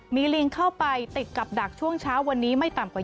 มีลิงเข้าไปติดกับดักช่วงเช้าวันนี้ไม่ต่ำกว่า